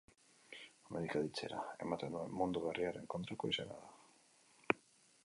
Amerika aditzera ematen duen Mundu Berriaren kontrako izena da.